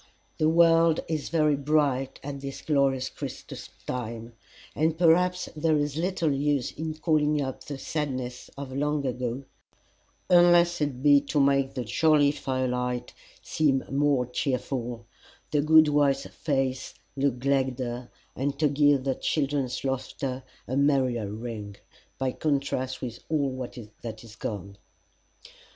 The world is very bright at this glorious Christmas time, and perhaps there is little use in calling up the sadness of long ago, unless it be to make the jolly fire light seem more cheerful, the good wife's face look gladder, and to give the children's laughter a merrier ring, by contrast with all that is gone.